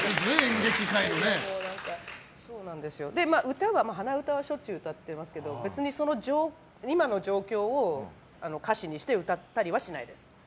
歌は、鼻歌は歌っていますけど今の状況を歌詞にして歌ったりはしないです。